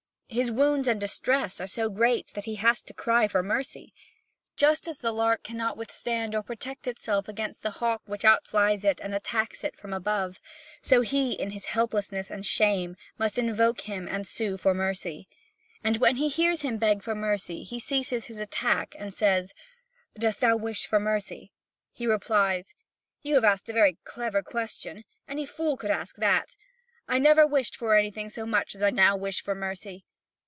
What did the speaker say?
His wounds and distress are so great that he has to cry for mercy. Just as the lark cannot withstand or protect itself against the hawk which outflies it and attacks it from above, so he in his helplessness and shame, must invoke him and sue for mercy. And when he hears him beg for mercy, he ceases his attack and says: "Dost thou wish for mercy?" He replies: "You have asked a very clever question; any fool could ask that. I never wished for anything so much as I now wish for mercy."